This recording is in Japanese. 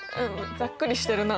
ざっくりしてるな。